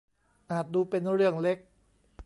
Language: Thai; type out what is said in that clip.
อาจดูเป็นเรื่องเล็ก